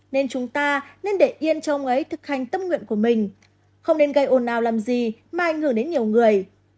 nên chúng ta nên để yên châu ấy thực hành tâm nguyện của mình không nên gây ồn ào làm gì mà ảnh hưởng đến nhiều người